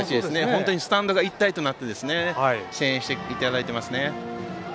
本当にスタンドが一体となって声援していただいていますね。